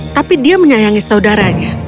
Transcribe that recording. tapi dia menyayangi saudaranya